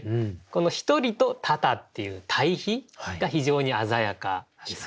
この「一人」と「多々」っていう対比が非常に鮮やかですし